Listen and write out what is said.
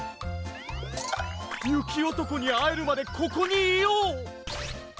ゆきおとこにあえるまでここにいよう！